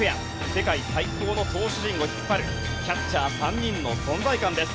世界最高の投手陣を引っ張るキャッチャー３人の存在感です。